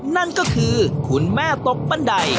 นั่นก็คือคุณแม่ตกบันได